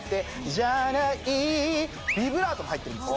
「じゃない」ビブラートが入ってるんです。